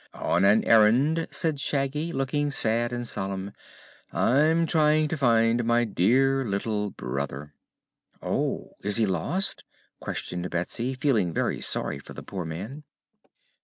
"On an errand," said Shaggy, looking sad and solemn. "I'm trying to find my dear little brother." "Oh! Is he lost?" questioned Betsy, feeling very sorry for the poor man.